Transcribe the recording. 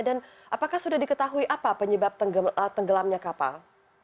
dan apakah sudah diketahui apa penyebab tenggelamnya kapal